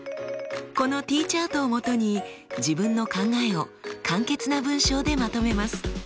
このＴチャートを基に自分の考えを簡潔な文章でまとめます。